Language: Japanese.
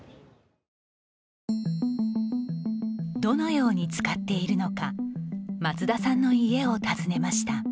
どのように使っているのか松田さんの家を訪ねました。